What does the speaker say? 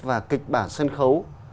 và kịch bản sân khấu